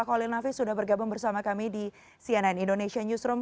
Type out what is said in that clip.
khalil nafis sudah bergabung bersama kami di cnn indonesia newsroom